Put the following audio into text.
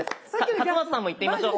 勝俣さんもいってみましょう。